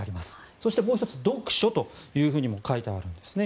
そして、もう１つ読書とも書いてあるんですね。